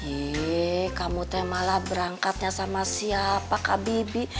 eh kamu tuh malah berangkatnya sama siapa kak bibi